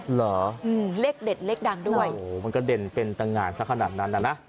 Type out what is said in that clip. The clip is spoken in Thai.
เหรออืมเลขเด็ดเลขดังด้วยโอ้โหมันก็เด่นเป็นตังงานสักขนาดนั้นน่ะนะ